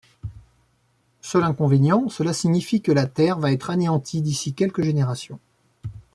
Seul inconvénient, cela signifie que la Terre va être anéantie d’ici quelques générations.